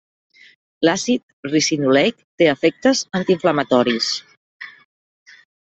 L'àcid ricinoleic té efectes antiinflamatoris.